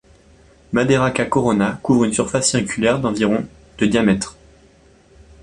Madderakka Corona couvre une surface circulaire d'environ de diamètre.